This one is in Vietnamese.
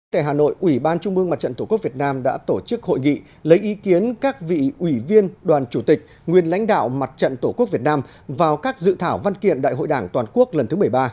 tại hà nội ủy ban trung mương mặt trận tổ quốc việt nam đã tổ chức hội nghị lấy ý kiến các vị ủy viên đoàn chủ tịch nguyên lãnh đạo mặt trận tổ quốc việt nam vào các dự thảo văn kiện đại hội đảng toàn quốc lần thứ một mươi ba